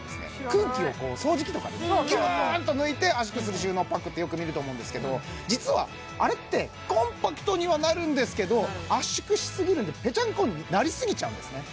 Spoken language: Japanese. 空気を掃除機とかでぎゅーっと抜いて圧縮する収納パックってよく見ると思うんですけど実はあれってコンパクトにはなるんですけど圧縮しすぎるんでぺちゃんこになりすぎちゃうんですね